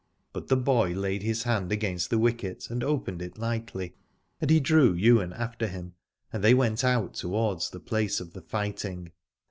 But the boy laid his hand against the wicket and opened it lightly, and he drew Ywain after him, and they went out towards the place of the fighting.